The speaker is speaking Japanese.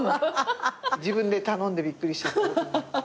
自分で頼んでびっくりしちゃった。